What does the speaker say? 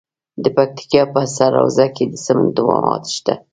د پکتیکا په سروضه کې د سمنټو مواد شته.